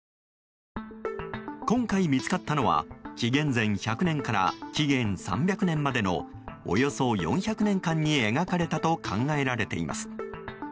今回見つかったのは紀元前１００年から紀元３００年までのおよそ４００年間に描かれたと考えられています。